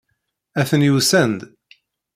Atni usan-d.